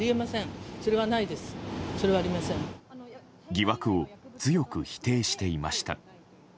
疑惑を強く否定していました。